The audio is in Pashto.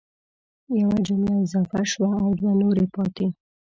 یوه جمله اضافه شوه او دوه نورې پاتي